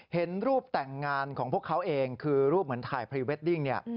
เห็นรูปแต่งงานของพวกเขาเองคือรูปเหมือนถ่ายพรีเวดดิ้งเนี่ย